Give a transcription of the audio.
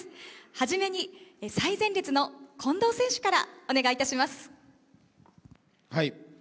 はじめに最前列の近藤選手からお願いします。